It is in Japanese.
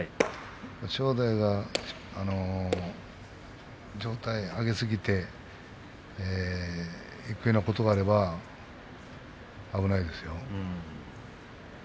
正代が上体を上げすぎていくようなことがあれば危ないですよ。